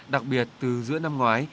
đặc biệt từ giữa năm ngoái